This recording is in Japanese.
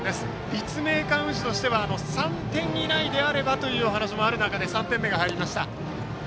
立命館宇治としては３点以内であればというお話もある中で３点目が入りました。